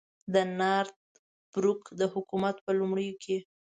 د نارت بروک د حکومت په لومړیو کې.